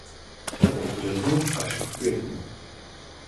Kvete v březnu až v květnu.